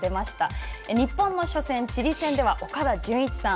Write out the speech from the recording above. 日本の初戦、チリ戦は岡田准一さん